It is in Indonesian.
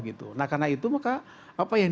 gitu nah karena itu maka apa yang